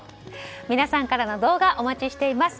皆さんからの動画お待ちしています。